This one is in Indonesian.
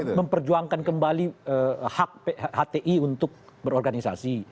untuk memperjuangkan kembali hak hti untuk berorganisasi